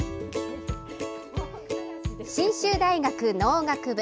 信州大学農学部。